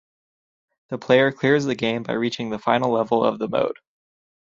The player clears the game by reaching the final level of the mode.